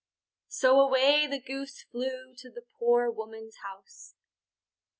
So away the Goose flew to the poor woman's house.